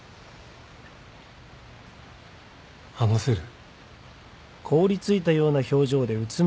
話せる？